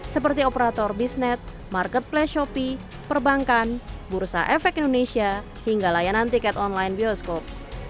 seperti operator bisnet marketplace shopee perbankan bursa efek indonesia hingga layanan tiket online bioskop